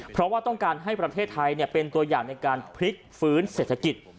เพราะว่าต้องการให้ประเทศไทยเป็นตัวอย่างในการพลิกฟื้นเศรษฐกิจ